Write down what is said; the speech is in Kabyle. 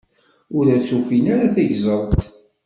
Ur as-ufin ara tigẓelt.